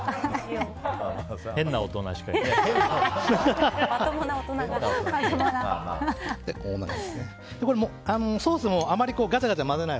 変な大人しかいない。